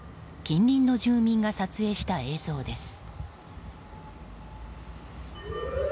近隣の住民が撮影した映像です。